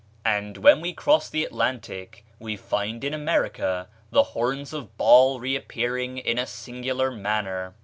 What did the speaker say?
And when we cross the Atlantic, we find in America the horns of Baal reappearing in a singular manner.